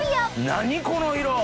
何この色！